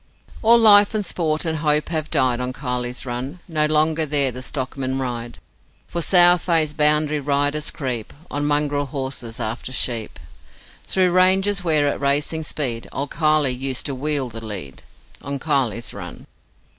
All life and sport and hope have died On Kiley's Run. No longer there the stockmen ride; For sour faced boundary riders creep On mongrel horses after sheep, Through ranges where, at racing speed, Old Kiley used to 'wheel the lead' On Kiley's Run.